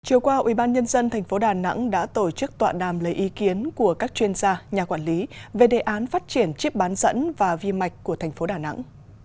chiều qua ubnd tp đà nẵng đã tổ chức tọa đàm lấy ý kiến của các chuyên gia nhà quản lý về đề án phát triển chip bán dẫn và vi mạch của thành phố đà nẵng